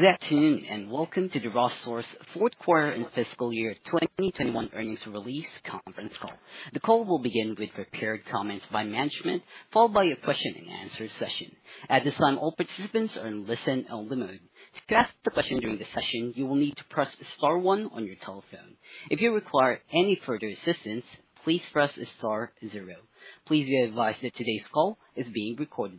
Good afternoon, and welcome to the Ross Stores fourth quarter and fiscal year 2021 earnings release conference call. The call will begin with prepared comments by management, followed by a question-and-answer session. At this time, all participants are in listen-only mode. To ask a question during the session, you will need to press star one on your telephone. If you require any further assistance, please press star zero. Please be advised that today's call is being recorded.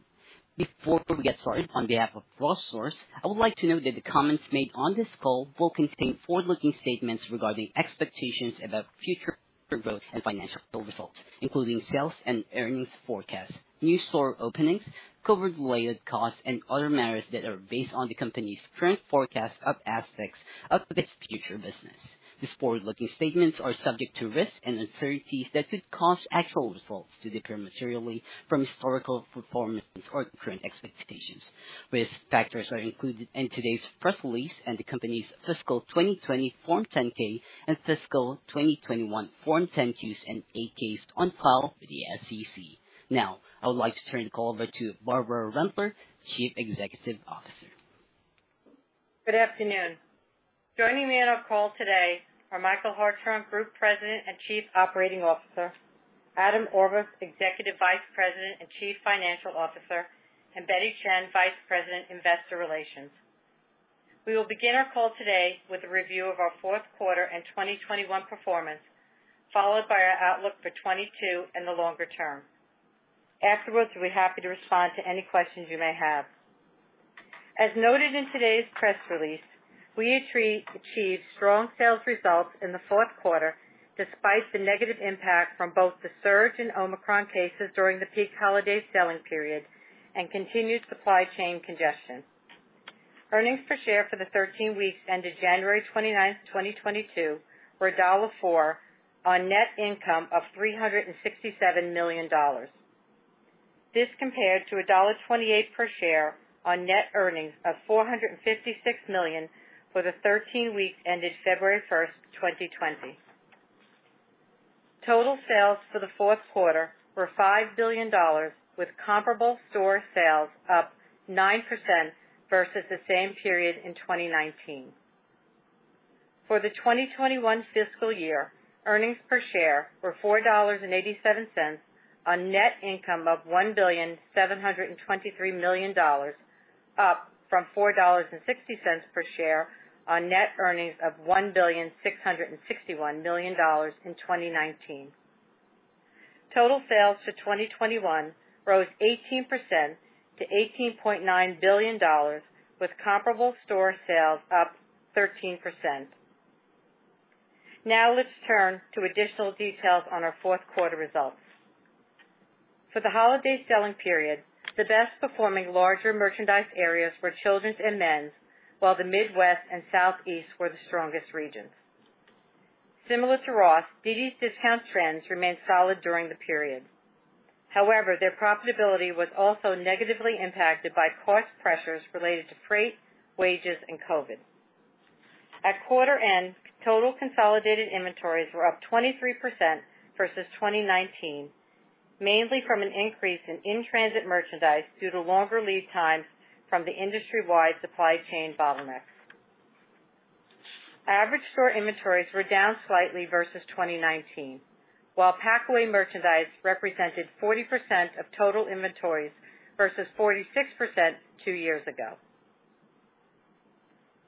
Before we get started, on behalf of Ross Stores, I would like to note that the comments made on this call will contain forward-looking statements regarding expectations about future growth and financial results, including sales and earnings forecasts, new store openings, COVID-related costs, and other matters that are based on the company's current forecasts of aspects of its future business. These forward-looking statements are subject to risks and uncertainties that could cause actual results to differ materially from historical performances or current expectations. Risk factors are included in today's press release and the company's fiscal 2020 Form 10-K and fiscal 2021 Form 10-Qs and 8-Ks on file with the SEC. Now, I would like to turn the call over to Barbara Rentler, Chief Executive Officer. Good afternoon. Joining me on our call today are Michael Hartshorn, Group President and Chief Operating Officer, Adam Orvos, Executive Vice President and Chief Financial Officer, and Betty Chen, Vice President, Investor Relations. We will begin our call today with a review of our fourth quarter and 2021 performance, followed by our outlook for 2022 and the longer term. Afterwards, we'll be happy to respond to any questions you may have. As noted in today's press release, we achieved strong sales results in the fourth quarter, despite the negative impact from both the surge in Omicron cases during the peak holiday selling period and continued supply chain congestion. Earnings per share for the 13 weeks ended January 29, 2022 were $1.04 on net income of $367 million. This compared to $1.28 per share on net earnings of $456 million for the 13 weeks ended February 1st, 2020. Total sales for the fourth quarter were $5 billion with comparable store sales up 9% versus the same period in 2019. For the 2021 fiscal year, earnings per share were $4.87 on net income of $1,723,000,000, up from $4.60 per share on net earnings of $1,661,000,000 in 2019. Total sales for 2021 rose 18% to $18.9 billion with comparable store sales up 13%. Now let's turn to additional details on our fourth quarter results. For the holiday selling period, the best performing larger merchandise areas were children's and men's, while the Midwest and Southeast were the strongest regions. Similar to Ross, dd's DISCOUNTS trends remained solid during the period. However, their profitability was also negatively impacted by cost pressures related to freight, wages, and COVID. At quarter end, total consolidated inventories were up 23% versus 2019, mainly from an increase in in-transit merchandise due to longer lead times from the industry-wide supply chain bottlenecks. Average store inventories were down slightly versus 2019, while pack away merchandise represented 40% of total inventories versus 46% two years ago.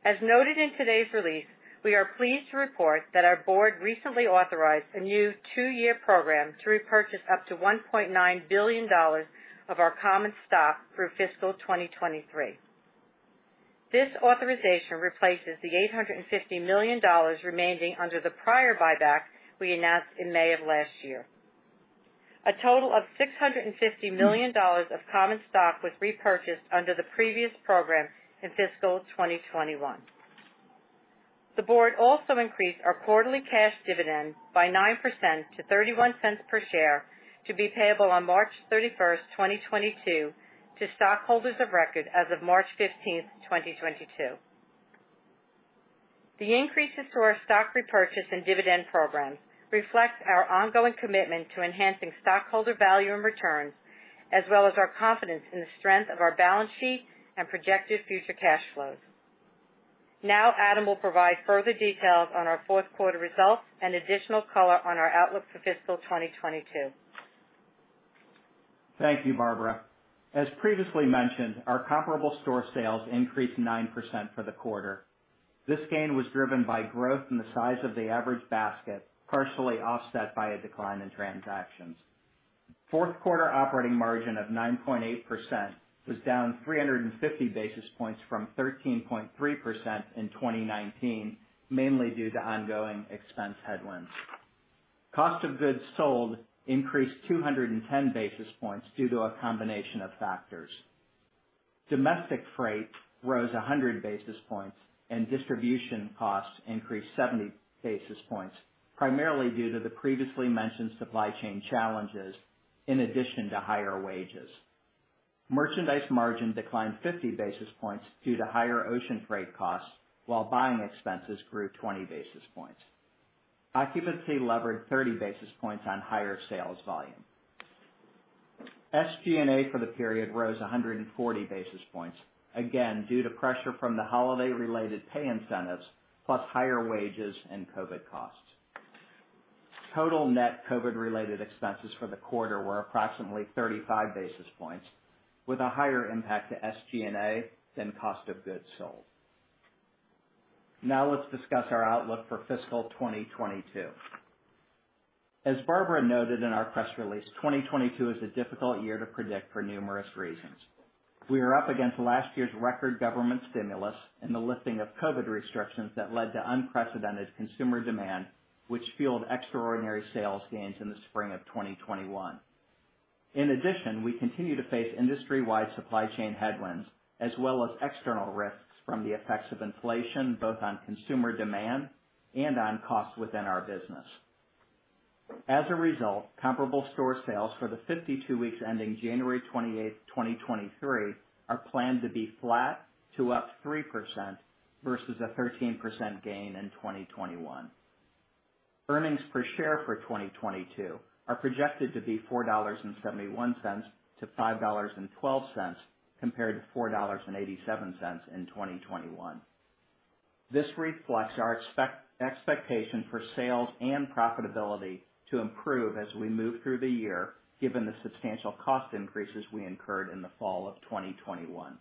As noted in today's release, we are pleased to report that our board recently authorized a new two-year program to repurchase up to $1.9 billion of our common stock through fiscal 2023. This authorization replaces the $850 million remaining under the prior buyback we announced in May of last year. A total of $650 million of common stock was repurchased under the previous program in fiscal 2021. The Board also increased our quarterly cash dividend by 9% to $0.31 per share to be payable on March 31st, 2022 to stockholders of record as of March 15th, 2022. The increases to our stock repurchase and dividend program reflects our ongoing commitment to enhancing stockholder value and returns, as well as our confidence in the strength of our balance sheet and projected future cash flows. Now Adam will provide further details on our fourth quarter results and additional color on our outlook for fiscal 2022. Thank you, Barbara. As previously mentioned, our comparable store sales increased 9% for the quarter. This gain was driven by growth in the size of the average basket, partially offset by a decline in transactions. Fourth quarter operating margin of 9.8% was down 350 basis points from 13.3% in 2019, mainly due to ongoing expense headwinds. Cost of goods sold increased 210 basis points due to a combination of factors. Domestic freight rose 100 basis points and distribution costs increased 70 basis points, primarily due to the previously mentioned supply chain challenges in addition to higher wages. Merchandise margin declined 50 basis points due to higher ocean freight costs while buying expenses grew 20 basis points. Occupancy levered 30 basis points on higher sales volume. SG&A for the period rose 140 basis points, again, due to pressure from the holiday-related pay incentives plus higher wages and COVID costs. Total net COVID-related expenses for the quarter were approximately 35 basis points, with a higher impact to SG&A than cost of goods sold. Now let's discuss our outlook for fiscal 2022. As Barbara noted in our press release, 2022 is a difficult year to predict for numerous reasons. We are up against last year's record government stimulus and the lifting of COVID restrictions that led to unprecedented consumer demand, which fueled extraordinary sales gains in the spring of 2021. In addition, we continue to face industry-wide supply chain headwinds as well as external risks from the effects of inflation, both on consumer demand and on costs within our business. As a result, comparable store sales for the 52 weeks ending January 28, 2023 are planned to be flat to up 3% versus a 13% gain in 2021. Earnings per share for 2022 are projected to be $4.71-$5.12 compared to $4.87 in 2021. This reflects our expectation for sales and profitability to improve as we move through the year, given the substantial cost increases we incurred in the fall of 2021.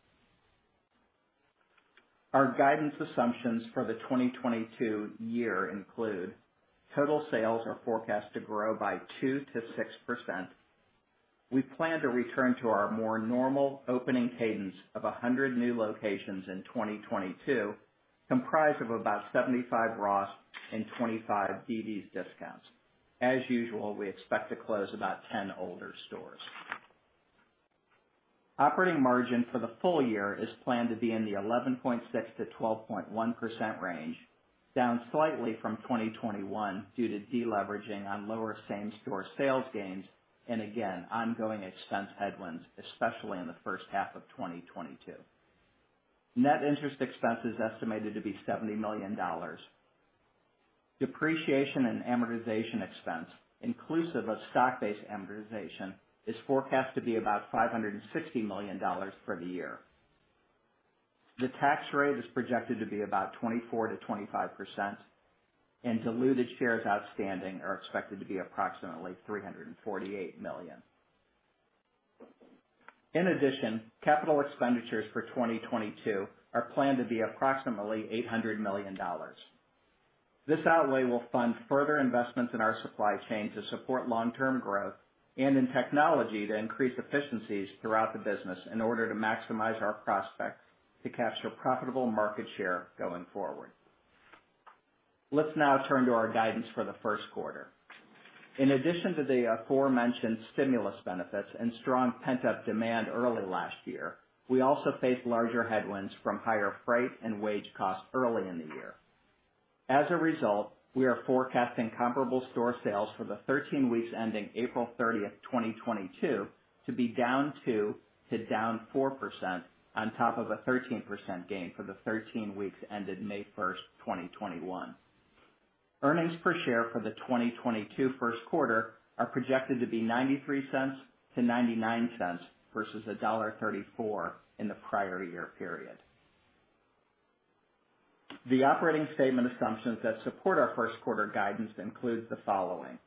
Our guidance assumptions for the 2022 year include total sales are forecast to grow by 2%-6%. We plan to return to our more normal opening cadence of 100 new locations in 2022, comprised of about 75 Ross and 25 dd's DISCOUNTS. As usual, we expect to close about 10 older stores. Operating margin for the full year is planned to be in the 11.6%-12.1% range, down slightly from 2021 due to deleveraging on lower same-store sales gains and, again, ongoing expense headwinds, especially in the first half of 2022. Net interest expense is estimated to be $70 million. Depreciation and amortization expense inclusive of stock-based amortization, is forecast to be about $560 million for the year. The tax rate is projected to be about 24%-25%, and diluted shares outstanding are expected to be approximately $348 million. In addition, capital expenditures for 2022 are planned to be approximately $800 million. This outlay will fund further investments in our supply chain to support long-term growth and in technology to increase efficiencies throughout the business in order to maximize our prospects to capture profitable market share going forward. Let's now turn to our guidance for the first quarter. In addition to the aforementioned stimulus benefits and strong pent-up demand early last year, we also faced larger headwinds from higher freight and wage costs early in the year. As a result, we are forecasting comparable store sales for the 13 weeks ending April 30th, 2022 to be down 2%, to down 4% on top of a 13% gain for the 13 weeks ended May 1st, 2021. Earnings per share for the 2022 first quarter are projected to be $0.93-$0.99 versus $1.34 in the prior year period. The operating statement assumptions that support our first quarter guidance includes the following: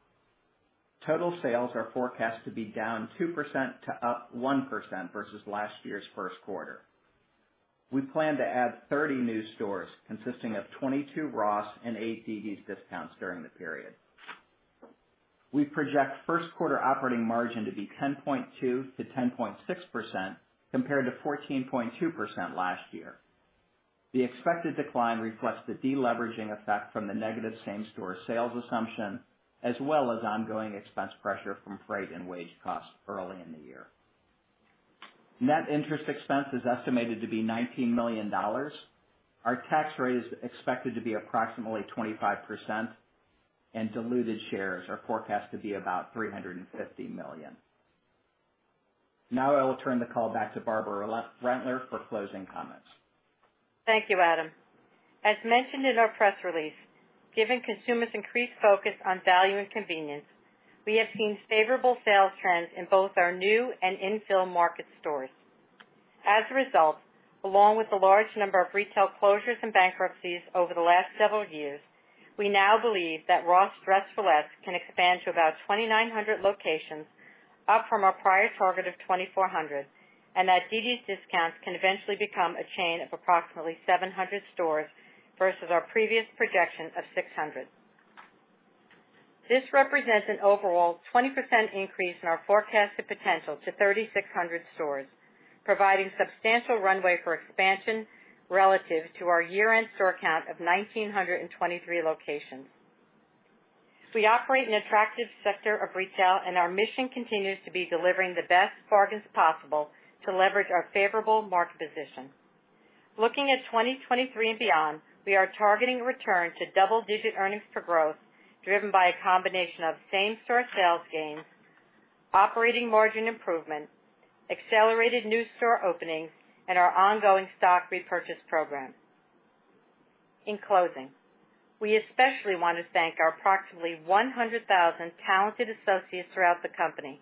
Total sales are forecast to be down 2% to up 1% versus last year's first quarter. We plan to add 30 new stores consisting of 22 Ross and 8 dd's DISCOUNTS during the period. We project first quarter operating margin to be 10.2%-10.6% compared to 14.2% last year. The expected decline reflects the deleveraging effect from the negative same store sales assumption as well as ongoing expense pressure from freight and wage costs early in the year. Net interest expense is estimated to be $19 million. Our tax rate is expected to be approximately 25%, and diluted shares are forecast to be about 350 million. Now I will turn the call back to Barbara Rentler for closing comments. Thank you, Adam. As mentioned in our press release, given consumers' increased focus on value and convenience, we have seen favorable sales trends in both our new and infill market stores. As a result, along with the large number of retail closures and bankruptcies over the last several years, we now believe that Ross Dress for Less can expand to about 2,900 locations, up from our prior target of 2,400, and that dd's DISCOUNTS can eventually become a chain of approximately 700 stores versus our previous projection of 600. This represents an overall 20% increase in our forecasted potential to 3,600 stores, providing substantial runway for expansion relative to our year-end store count of 1,923 locations. We operate an attractive sector of retail and our mission continues to be delivering the best bargains possible to leverage our favorable market position. Looking at 2023 and beyond, we are targeting a return to double-digit earnings per growth driven by a combination of same-store sales gains, operating margin improvement, accelerated new store openings, and our ongoing stock repurchase program. In closing, we especially want to thank our approximately 100,000 talented associates throughout the company,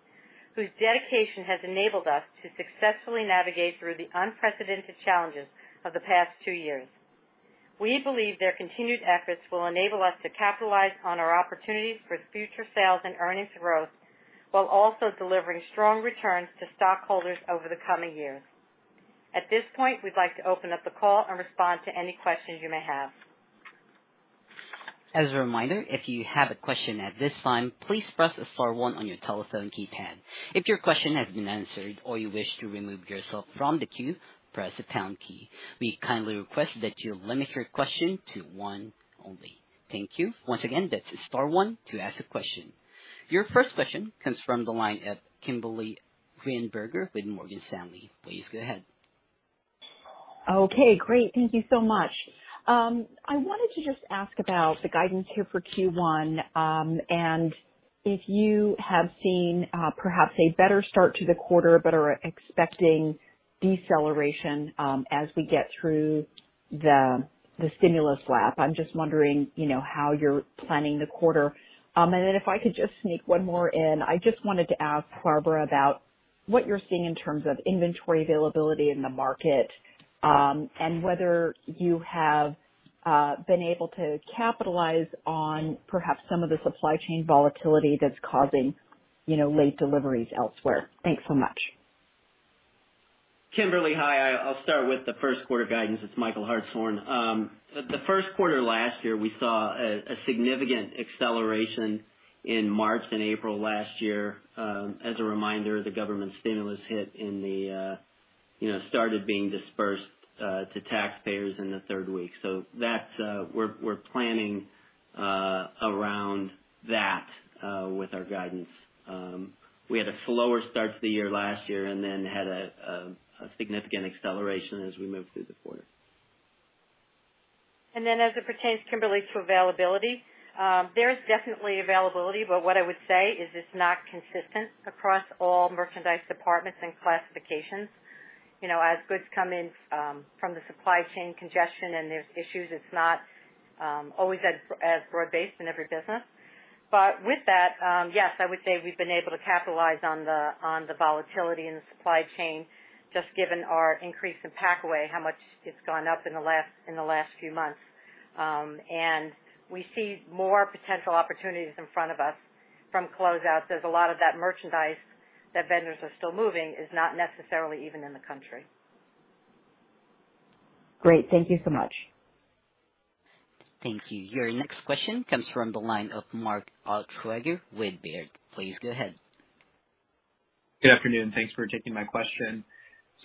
whose dedication has enabled us to successfully navigate through the unprecedented challenges of the past two years. We believe their continued efforts will enable us to capitalize on our opportunities for future sales and earnings growth, while also delivering strong returns to stockholders over the coming years. At this point, we'd like to open up the call and respond to any questions you may have. As a reminder, if you have a question at this time, please press star one on your telephone keypad. If your question has been answered or you wish to remove yourself from the queue, press the pound key. We kindly request that you limit your question to one only. Thank you. Once again, that's star one to ask a question. Your first question comes from the line of Kimberly Greenberger with Morgan Stanley. Please go ahead. Okay, great. Thank you so much. I wanted to just ask about the guidance here for Q1, and if you have seen, perhaps a better start to the quarter but are expecting deceleration, as we get through the stimulus lap. I'm just wondering, you know, how you're planning the quarter. And then if I could just sneak one more in. I just wanted to ask Barbara about what you're seeing in terms of inventory availability in the market, and whether you have been able to capitalize on perhaps some of the supply chain volatility that's causing, you know, late deliveries elsewhere. Thanks so much. Kimberly, hi. I'll start with the first quarter guidance. It's Michael Hartshorn. The first quarter last year, we saw a significant acceleration in March and April last year. As a reminder, the government stimulus hit in the, you know, started being dispersed to taxpayers in the third week. So that, we're planning around that with our guidance. We had a slower start to the year last year and then had a significant acceleration as we moved through the quarter. As it pertains, Kimberly, to availability, there is definitely availability, but what I would say is it's not consistent across all merchandise departments and classifications. You know, as goods come in from the supply chain congestion and there's issues, it's not always as broad-based in every business. With that, yes, I would say we've been able to capitalize on the volatility in the supply chain, just given our increase in pack away, how much it's gone up in the last few months. We see more potential opportunities in front of us from closeouts. There's a lot of that merchandise that vendors are still moving is not necessarily even in the country. Great. Thank you so much. Thank you. Your next question comes from the line of Mark Altschwager with Baird. Please go ahead. Good afternoon. Thanks for taking my question.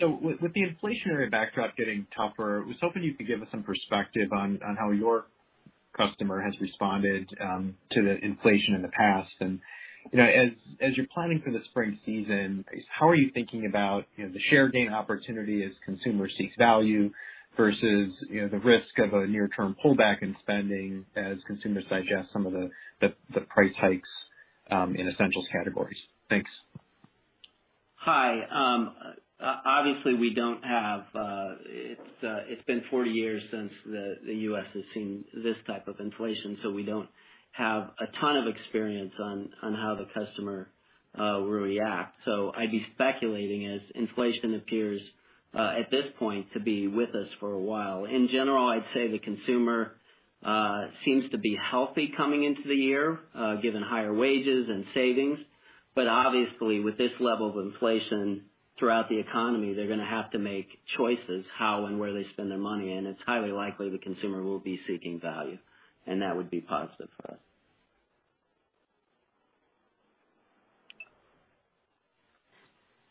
With the inflationary backdrop getting tougher, I was hoping you could give us some perspective on how your customer has responded to the inflation in the past. You know, as you're planning for the spring season, how are you thinking about the share gain opportunity as consumer seeks value versus the risk of a near term pullback in spending as consumers digest some of the price hikes in essentials categories? Thanks. Hi. Obviously, we don't have. It's been 40 years since the U.S. has seen this type of inflation, so we don't have a ton of experience on how the customer will react. I'd be speculating as inflation appears at this point to be with us for a while. In general, I'd say the consumer seems to be healthy coming into the year given higher wages and savings. Obviously, with this level of inflation throughout the economy, they're gonna have to make choices how and where they spend their money, and it's highly likely the consumer will be seeking value, and that would be positive for us.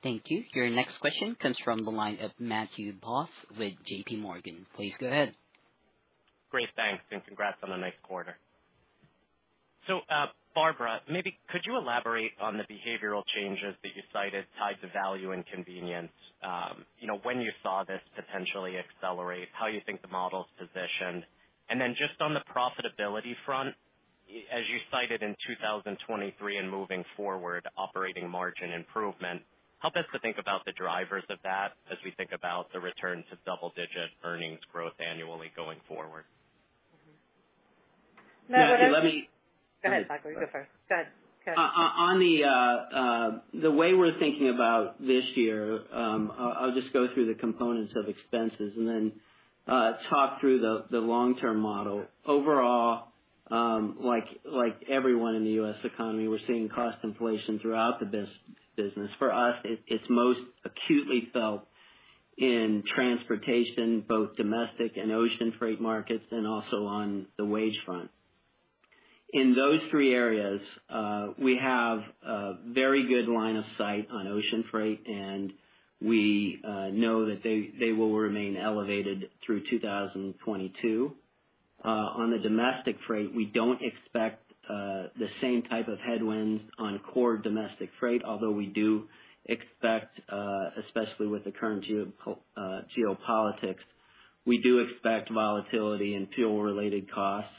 Thank you. Your next question comes from the line of Matthew Boss with JPMorgan. Please go ahead. Great, thanks, and congrats on a nice quarter. Barbara, maybe could you elaborate on the behavioral changes that you cited, ties of value and convenience, when you saw this potentially accelerate, how you think the model's positioned? Just on the profitability front, as you cited in 2023 and moving forward, operating margin improvement, help us to think about the drivers of that as we think about the return to double-digit earnings growth annually going forward. Matthew, let me. Go ahead, Michael. You go first. Go ahead. On the way we're thinking about this year, I'll just go through the components of expenses and then talk through the long-term model. Overall, like everyone in the U.S. economy, we're seeing cost inflation throughout the business. For us, it's most acutely felt in transportation, both domestic and ocean freight markets, and also on the wage front. In those three areas, we have a very good line of sight on ocean freight, and we know that they will remain elevated through 2022. On the domestic freight, we don't expect the same type of headwinds on core domestic freight, although we do expect, especially with the current geopolitics, we do expect volatility and fuel-related costs.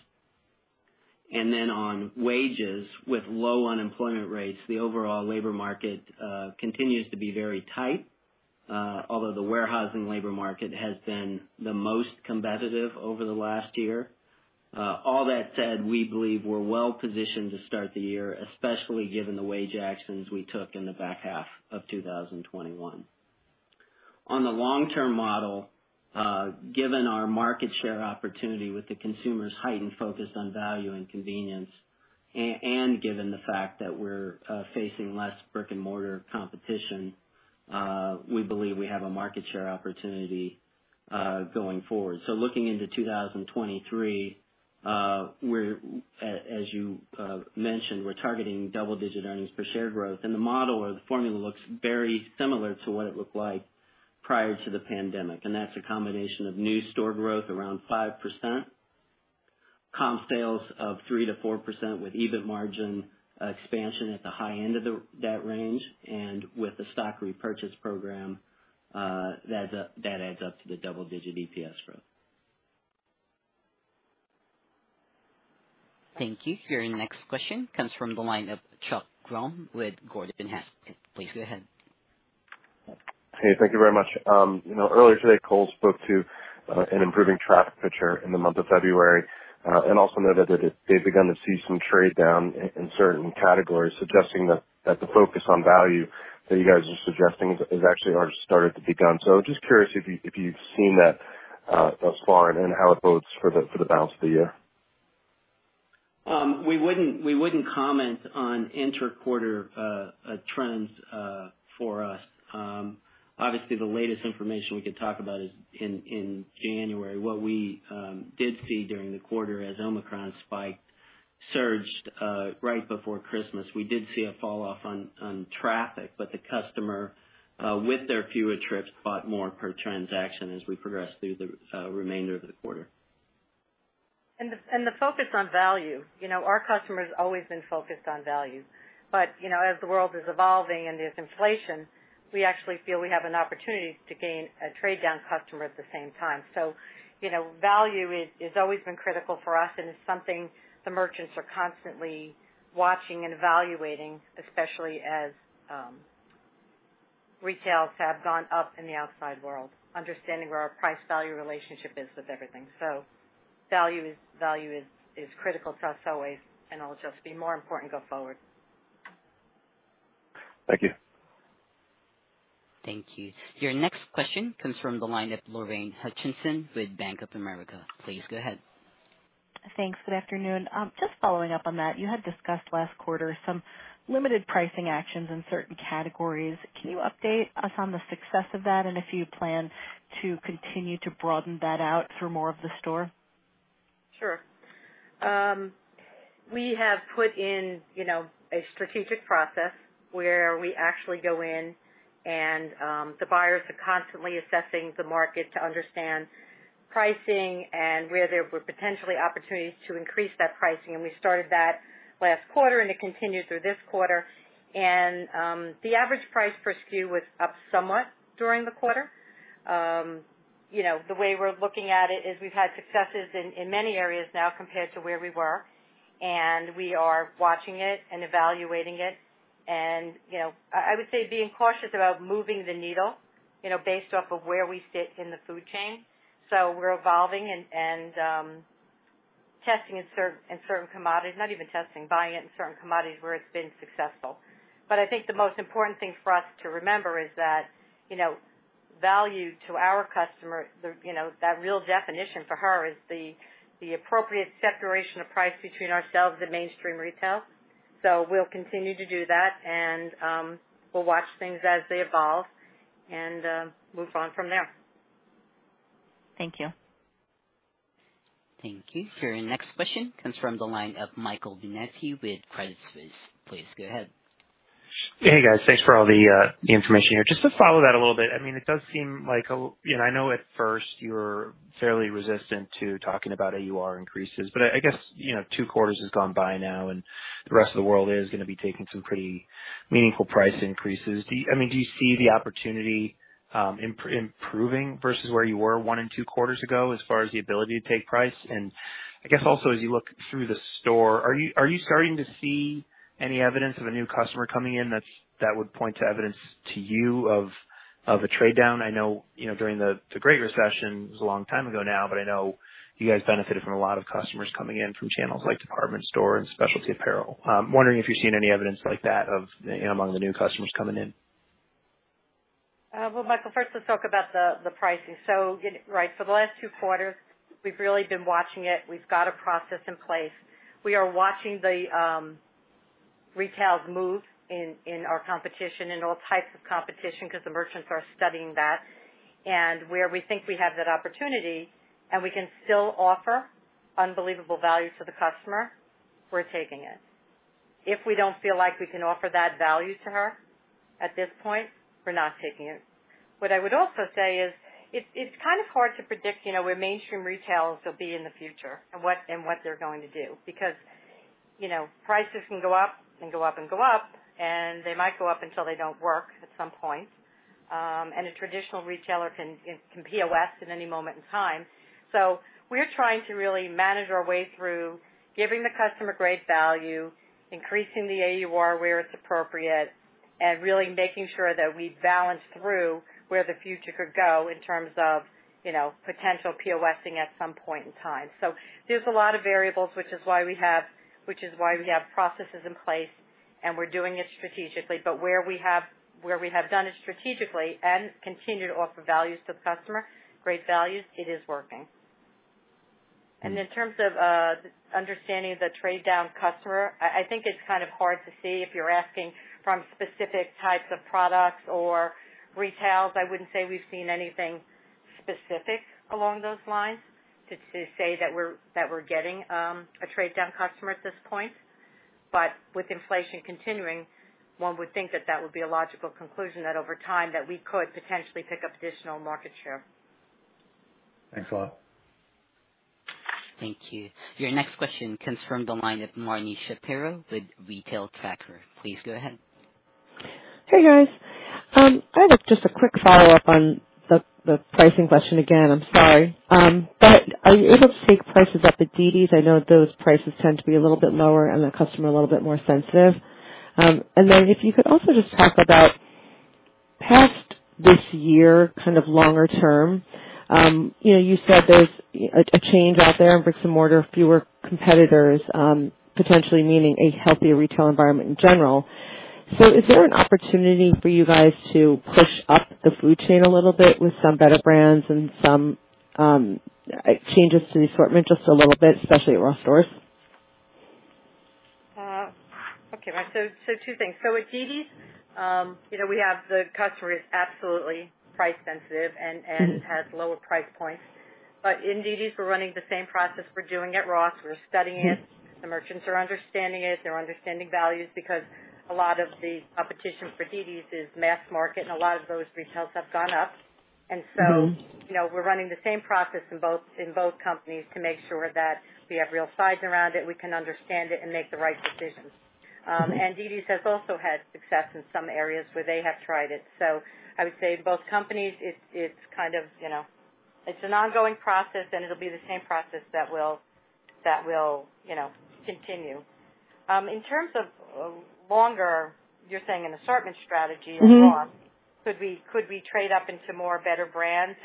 On wages with low unemployment rates, the overall labor market continues to be very tight, although the warehousing labor market has been the most competitive over the last year. All that said, we believe we're well-positioned to start the year, especially given the wage actions we took in the back half of 2021. On the long-term model, given our market share opportunity with the consumers' heightened focus on value and convenience, and given the fact that we're facing less brick-and-mortar competition, we believe we have a market share opportunity going forward. Looking into 2023, as you mentioned, we're targeting double-digit earnings per share growth. The model or the formula looks very similar to what it looked like prior to the pandemic. That's a combination of new store growth around 5%, comp sales of 3%-4% with EBIT margin expansion at the high end of that range, and with the stock repurchase program, that adds up to the double-digit EPS growth. Thank you. Your next question comes from the line of Chuck Grom with Gordon Haskett. Please go ahead. Hey, thank you very much. You know, earlier today, Kohl's spoke to an improving traffic picture in the month of February and also noted that they've begun to see some trade down in certain categories, suggesting that the focus on value that you guys are suggesting is actually has started to be done. Just curious if you've seen that thus far and how it bodes for the balance of the year. We wouldn't comment on intra-quarter trends for us. Obviously, the latest information we could talk about is in January. What we did see during the quarter as Omicron spike surged right before Christmas, we did see a falloff in traffic. The customer with their fewer trips bought more per transaction as we progressed through the remainder of the quarter. The focus on value, you know, our customer's always been focused on value. You know, as the world is evolving and there's inflation, we actually feel we have an opportunity to gain a trade-down customer at the same time. You know, value is always been critical for us, and it's something the merchants are constantly watching and evaluating, especially as retail has gone up in the outside world, understanding where our price value relationship is with everything. Value is critical to us always and will just be more important going forward. Thank you. Thank you. Your next question comes from the line of Lorraine Hutchinson with Bank of America. Please go ahead. Thanks. Good afternoon. Just following up on that, you had discussed last quarter some limited pricing actions in certain categories. Can you update us on the success of that and if you plan to continue to broaden that out through more of the store? Sure. We have put in, you know, a strategic process where we actually go in and the buyers are constantly assessing the market to understand pricing and where there were potentially opportunities to increase that pricing. We started that last quarter, and it continued through this quarter. The average price per SKU was up somewhat during the quarter. You know, the way we're looking at it is we've had successes in many areas now compared to where we were, and we are watching it and evaluating it. You know, I would say being cautious about moving the needle, you know, based off of where we sit in the food chain. We're evolving and testing in certain commodities, not even testing, buying it in certain commodities where it's been successful. I think the most important thing for us to remember is that, you know, value to our customer, you know, that real definition for her is the appropriate separation of price between ourselves and mainstream retail. We'll continue to do that, and we'll watch things as they evolve and move on from there. Thank you. Thank you. Your next question comes from the line of Michael Binetti with Credit Suisse. Please go ahead. Hey, guys. Thanks for all the information here. Just to follow that a little bit, I mean, it does seem like. You know, I know at first you were fairly resistant to talking about AUR increases, but I guess, you know, two quarters has gone by now and the rest of the world is gonna be taking some pretty meaningful price increases. Do you—I mean, do you see the opportunity improving versus where you were one and two quarters ago as far as the ability to take price? And I guess also, as you look through the store, are you starting to see any evidence of a new customer coming in that would point to evidence to you of a trade down? I know, you know, during the Great Recession, it was a long time ago now, but I know you guys benefited from a lot of customers coming in from channels like department store and specialty apparel. Wondering if you've seen any evidence like that of, you know, among the new customers coming in. Well, Michael, first let's talk about the pricing. You know, right. For the last two quarters, we've really been watching it. We've got a process in place. We are watching the retailers' moves in our competition, in all types of competition because the merchants are studying that. Where we think we have that opportunity and we can still offer unbelievable value to the customer, we're taking it. If we don't feel like we can offer that value to her at this point, we're not taking it. What I would also say is it's kind of hard to predict, you know, where mainstream retailers will be in the future and what they're going to do because you know, prices can go up and go up and go up, and they might go up until they don't work at some point. A traditional retailer can POS at any moment in time. We're trying to really manage our way through giving the customer great value, increasing the AUR where it's appropriate, and really making sure that we balance through where the future could go in terms of, you know, potential POS-ing at some point in time. There's a lot of variables, which is why we have processes in place, and we're doing it strategically. Where we have done it strategically and continue to offer value to the customer, great values, it is working. In terms of understanding the trade down customer, I think it's kind of hard to see if you're asking from specific types of products or retailers. I wouldn't say we've seen anything specific along those lines to say that we're getting a trade down customer at this point. With inflation continuing, one would think that would be a logical conclusion that over time we could potentially pick up additional market share. Thanks a lot. Thank you. Your next question comes from the line of Marni Shapiro with Retail Tracker. Please go ahead. Hey, guys. I have just a quick follow-up on the pricing question again. I'm sorry. Are you able to take prices up at dd's? I know those prices tend to be a little bit lower and the customer a little bit more sensitive. If you could also just talk about past this year, kind of longer term. You know, you said there's a change out there in brick-and-mortar, fewer competitors, potentially meaning a healthier retail environment in general. Is there an opportunity for you guys to push up the food chain a little bit with some better brands and some changes to the assortment just a little bit, especially at Ross Stores? Two things. At dd's, we have the customer is absolutely price sensitive and has lower price points. In dd's, we're running the same process we're doing at Ross. We're studying it. The merchants are understanding it. They're understanding values because a lot of the competition for dd's is mass market, and a lot of those retail have gone up. Mm-hmm. You know, we're running the same process in both companies to make sure that we have real science around it, we can understand it, and make the right decisions. dd's has also had success in some areas where they have tried it. I would say both companies, it's kind of, you know. It's an ongoing process, and it'll be the same process that will continue. In terms of longer, you're saying an assortment strategy at Ross. Mm-hmm. Could we trade up into more better brands?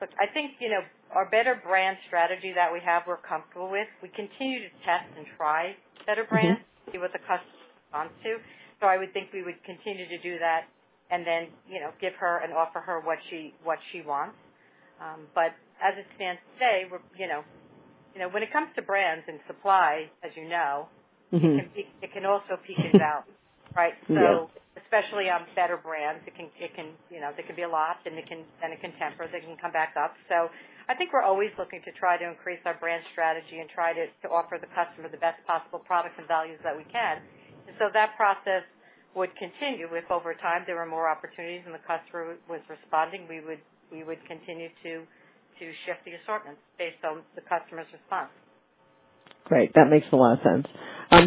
Look, I think, you know, our better brand strategy that we have, we're comfortable with. We continue to test and try better brands. Mm-hmm. To see what the customer responds to. I would think we would continue to do that and then, you know, give her and offer her what she wants. As it stands today, we're, you know. You know, when it comes to brands and supply, as you know. Mm-hmm. It can peak. It can also peak and valley, right? Yeah. Especially on better brands, it can, you know, there can be a lot, and it can temper. They can come back up. I think we're always looking to try to increase our brand strategy and try to offer the customer the best possible products and values that we can. That process would continue. If over time there were more opportunities and the customer was responding, we would continue to shift the assortments based on the customer's response. Great. That makes a lot of sense.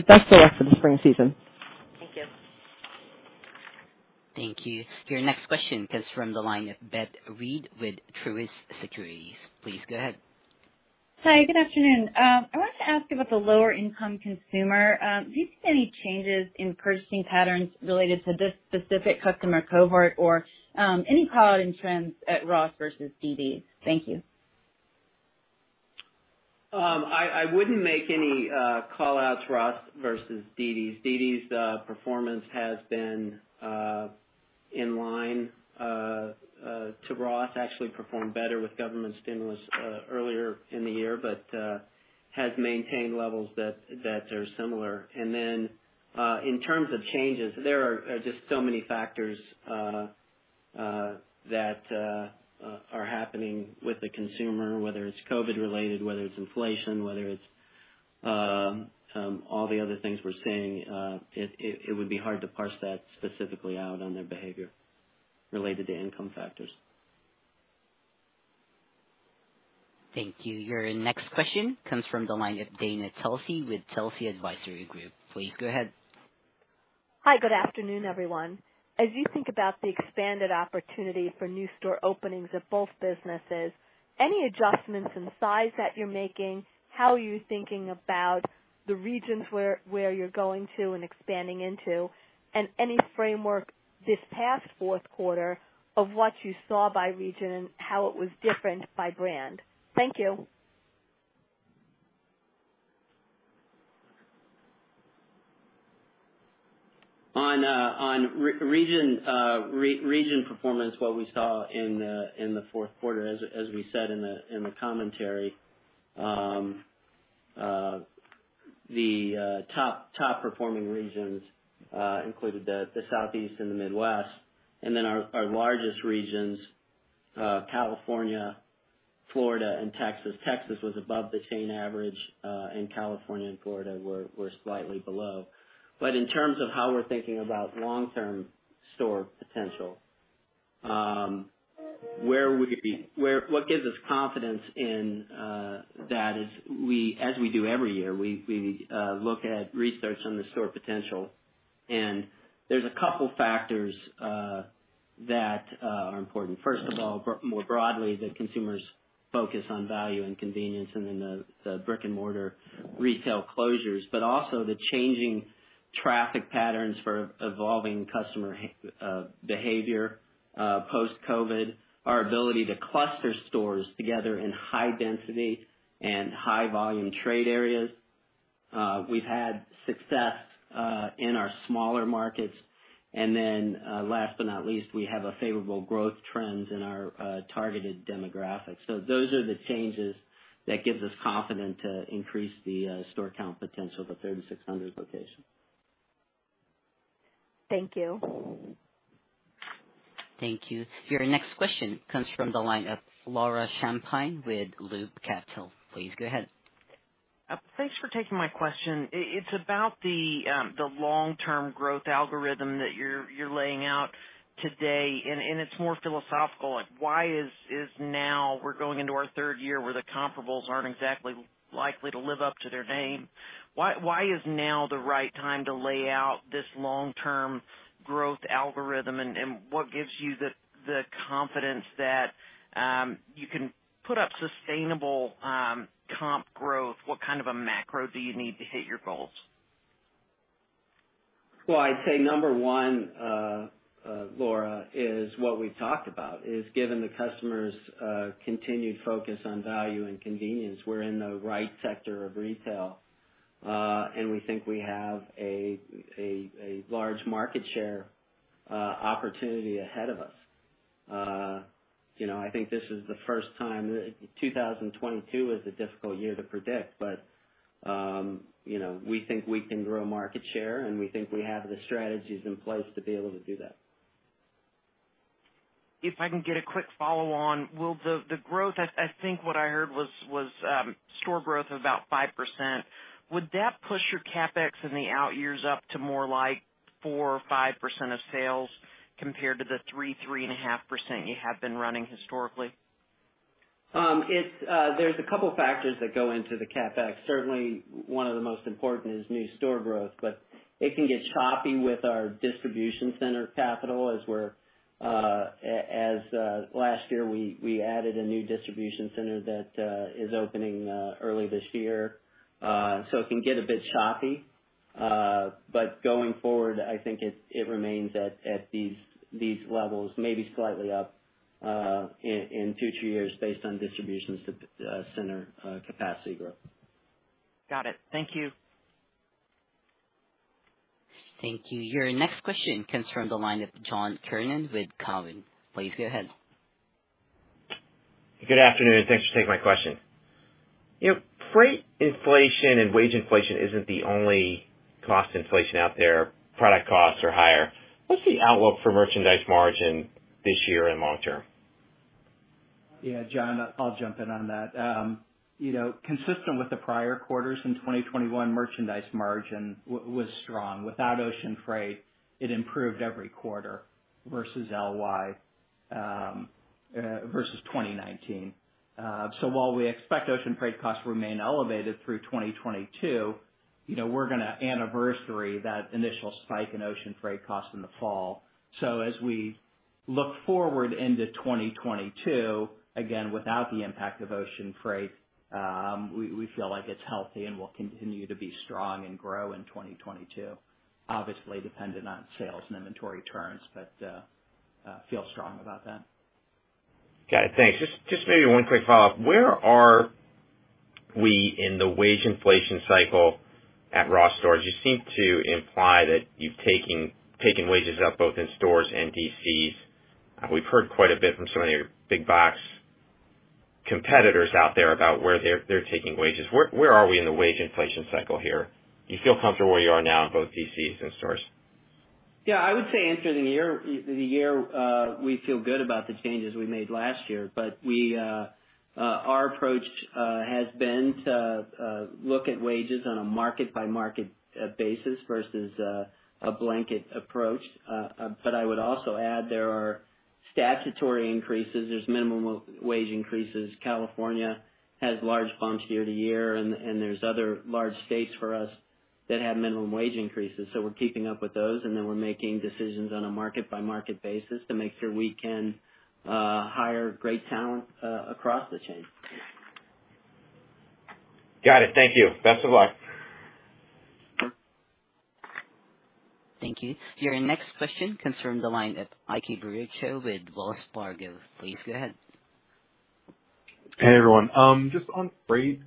Thanks so much for the spring season. Thank you. Thank you. Your next question comes from the line of Beth Reed with Truist Securities. Please go ahead. Hi, good afternoon. I wanted to ask about the lower income consumer. Do you see any changes in purchasing patterns related to this specific customer cohort or any call out in trends at Ross versus dd's? Thank you. I wouldn't make any call outs Ross versus dd's. dd's performance has been in line with Ross. Ross actually performed better with government stimulus earlier in the year, but has maintained levels that are similar. In terms of changes, there are just so many factors that are happening with the consumer, whether it's COVID related, whether it's inflation, whether it's all the other things we're seeing. It would be hard to parse that specifically out on their behavior related to income factors. Thank you. Your next question comes from the line of Dana Telsey with Telsey Advisory Group. Please go ahead. Hi. Good afternoon, everyone. As you think about the expanded opportunity for new store openings at both businesses, any adjustments in size that you're making, how are you thinking about the regions where you're going to and expanding into, and any framework this past fourth quarter of what you saw by region and how it was different by brand? Thank you. On region performance, what we saw in the fourth quarter, as we said in the commentary, the top-performing regions included the Southeast and the Midwest. Then our largest regions, California, Florida, and Texas. Texas was above the chain average, and California and Florida were slightly below. In terms of how we're thinking about long-term store potential, what gives us confidence in that is, as we do every year, we look at research on the store potential. There's a couple factors that are important. First of all, more broadly, the consumers' focus on value and convenience and then the brick-and-mortar retail closures, but also the changing traffic patterns for evolving customer behavior post-COVID, our ability to cluster stores together in high-density and high-volume trade areas. We've had success in our smaller markets. Last but not least, we have a favorable growth trends in our targeted demographics. Those are the changes that gives us confidence to increase the store count potential to 3,600 locations. Thank you. Thank you. Your next question comes from the line of Laura Champine with Loop Capital. Please go ahead. Thanks for taking my question. It's about the long-term growth algorithm that you're laying out today, and it's more philosophical. Like, why is now, we're going into our third year where the comparables aren't exactly likely to live up to their name. Why is now the right time to lay out this long-term growth algorithm? And what gives you the confidence that you can put up sustainable comp growth? What kind of a macro do you need to hit your goals? Well, I'd say number one, Laura, is what we've talked about, given the customers' continued focus on value and convenience, we're in the right sector of retail. We think we have a large market share opportunity ahead of us. You know, I think this is the first time 2022 is a difficult year to predict, but you know, we think we can grow market share, and we think we have the strategies in place to be able to do that. If I can get a quick follow-on. I think what I heard was store growth of about 5%. Would that push your CapEx in the out years up to more like 4% or 5% of sales compared to the 3%, 3.5% you have been running historically? It's, there's a couple factors that go into the CapEx. Certainly one of the most important is new store growth, but it can get choppy with our distribution center capital as last year we added a new distribution center that is opening early this year. So it can get a bit choppy. But going forward, I think it remains at these levels, maybe slightly up in future years based on distribution center capacity growth. Got it. Thank you. Thank you. Your next question comes from the line of John Kernan with Cowen. Please go ahead. Good afternoon, and thanks for taking my question. You know, freight inflation and wage inflation isn't the only cost inflation out there. Product costs are higher. What's the outlook for merchandise margin this year and long term? Yeah, John, I'll jump in on that. You know, consistent with the prior quarters in 2021, merchandise margin was strong. Without ocean freight, it improved every quarter versus LY versus 2019. While we expect ocean freight costs to remain elevated through 2022, you know, we're gonna anniversary that initial spike in ocean freight cost in the fall. As we look forward into 2022, again without the impact of ocean freight, we feel like it's healthy and will continue to be strong and grow in 2022, obviously dependent on sales and inventory turns, but feel strong about that. Got it. Thanks. Just maybe one quick follow-up. Where are we in the wage inflation cycle at Ross Stores? You seem to imply that you've taken wages up both in stores and DCs. We've heard quite a bit from some of your big box competitors out there about where they're taking wages. Where are we in the wage inflation cycle here? Do you feel comfortable where you are now in both DCs and stores? Yeah, I would say entering the year we feel good about the changes we made last year, but our approach has been to look at wages on a market by market basis versus a blanket approach. I would also add there are statutory increases. There's minimum wage increases. California has large bumps year-to-year and there's other large states for us that have minimum wage increases. We're keeping up with those, and then we're making decisions on a market by market basis to make sure we can hire great talent across the chain. Got it. Thank you. Best of luck. Thank you. Your next question comes from the line of Ike Boruchow with Wells Fargo. Please go ahead. Hey, everyone. Just on freight,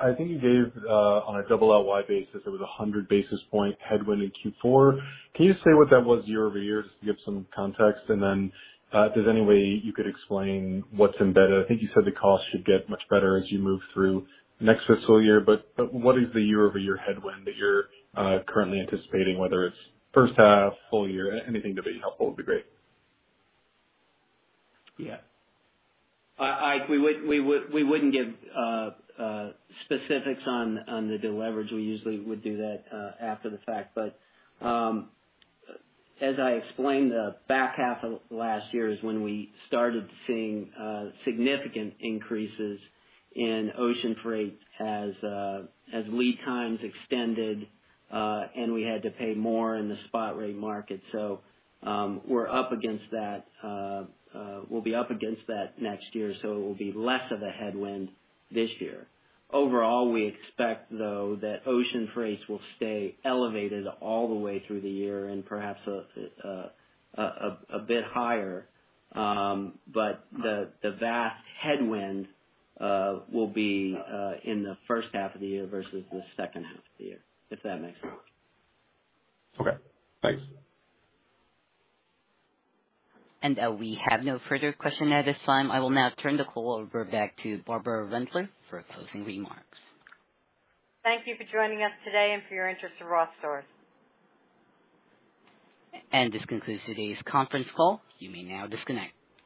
I think you gave, on a double LY basis, there was 100 basis point headwind in Q4. Can you say what that was year-over-year, just to give some context? If there's any way you could explain what's embedded. I think you said the cost should get much better as you move through next fiscal year, but what is the year-over-year headwind that you're currently anticipating, whether it's first half, full year? Anything that'd be helpful would be great. Yeah, Ike, we wouldn't give specifics on the deleverage. We usually would do that after the fact. As I explained, the back half of last year is when we started seeing significant increases in ocean freight as lead times extended and we had to pay more in the spot rate market. We're up against that. We'll be up against that next year, so it will be less of a headwind this year. Overall, we expect, though, that ocean freight will stay elevated all the way through the year and perhaps a bit higher. The vast headwind will be in the first half of the year versus the second half of the year, if that makes sense. Okay. Thanks. We have no further question at this time. I will now turn the call over back to Barbara Rentler for closing remarks. Thank you for joining us today and for your interest in Ross Stores. This concludes today's conference call. You may now disconnect.